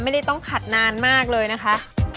ไม่ได้ต้องขัดนานมากเลยนะคะ